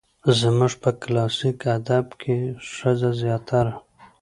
زموږ په کلاسيک ادب کې ښځه زياتره